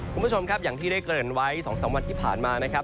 คุณผู้ชมครับอย่างที่ได้เกริ่นไว้๒๓วันที่ผ่านมานะครับ